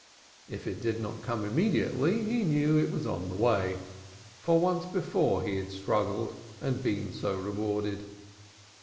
If it did not come immediately he knew it was on the way. For once before he had struggled and been so rewarded.